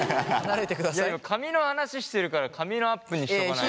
いや今髪の話してるから髪のアップにしとかないと。